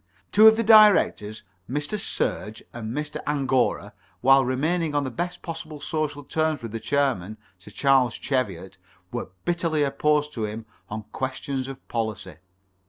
Two of the Directors, Mr. Serge and Mr. Angora, while remaining on the best possible social terms with the chairman, Sir Charles Cheviot, were bitterly opposed to him on questions of policy.